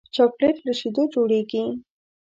چاکلېټ له شیدو جوړېږي.